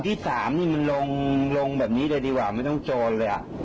ที่สามนี่มันลงแบบนี้เลยดีกว่าไม่ต้องโจรเลยอ่ะ